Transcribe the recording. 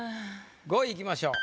５位いきましょう。